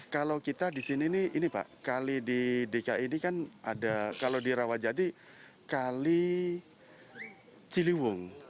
kalau kita di sini ini pak kali di dki ini kan ada kalau di rawajati kali ciliwung